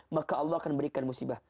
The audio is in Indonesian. maka allah akan memberikan musibah